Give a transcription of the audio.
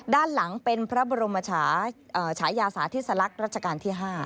ด้านหลังเป็นพระบรมชายาสาธิสลักษณ์รัชกาลที่๕